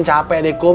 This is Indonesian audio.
capek deh kum